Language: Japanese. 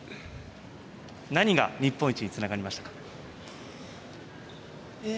何が日本一につながりましたか。